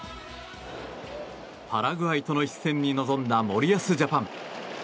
パラグアイとの一戦に臨んだ森保ジャパン。